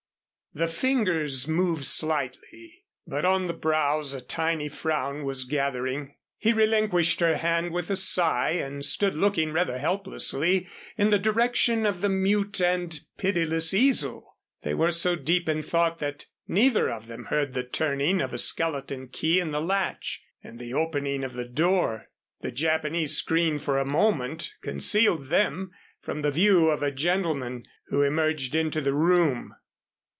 The fingers moved slightly, but on the brows a tiny frown was gathering. He relinquished her hand with a sigh and stood looking rather helplessly in the direction of the mute and pitiless easel. They were so deep in thought that neither of them heard the turning of a skeleton key in the latch and the opening of the door. The Japanese screen for a moment concealed them from the view of a gentleman who emerged into the room.